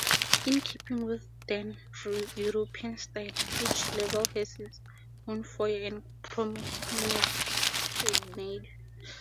In keeping with then European style, each level has its own foyer and promenade.